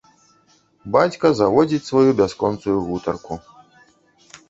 Бацька заводзіць сваю бясконцую гутарку.